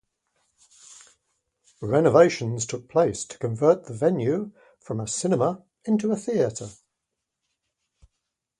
Renovations took place to convert the venue from a cinema into a theatre.